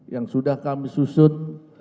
yang sudah kami susun